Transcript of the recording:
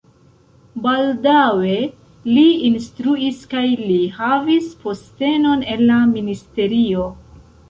Baldaŭe li instruis kaj li havis postenon en la ministerio.